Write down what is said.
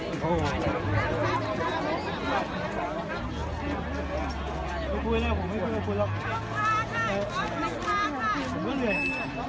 มีผู้ที่ได้รับบาดเจ็บและถูกนำตัวส่งโรงพยาบาลเป็นผู้หญิงวัยกลางคน